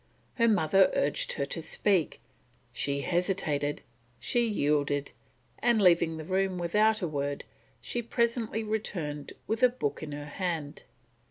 Her mother urged her to speak; she hesitated, she yielded, and leaving the room without a word, she presently returned with a book in her hand.